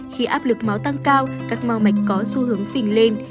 khi áp lực máu tăng cao các mau mạch có xu hướng phình lên